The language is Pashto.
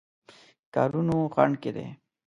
کارونو خنډ کېدی.